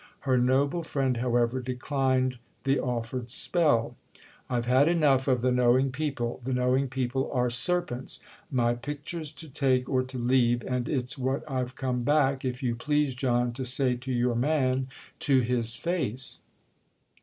Her noble friend, however, declined the offered spell. "I've had enough of the knowing people—the knowing people are serpents! My picture's to take or to leave—and it's what I've come back, if you please, John, to say to your man to his face."